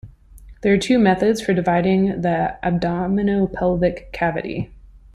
There are two methods for dividing the abdominopelvic cavity.